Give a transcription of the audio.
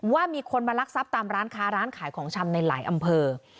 ว่ามีคนมาลักทรัพย์ตามร้านค้าร้านขายของชำในหลายอำเภอ